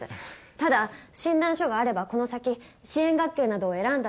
ただ診断書があればこの先支援学級などを選んだ時などに。